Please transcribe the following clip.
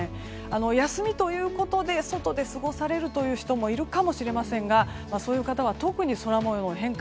休みということで外で過ごされるという人もいるかもしれませんがそういう方は特に空模様の変化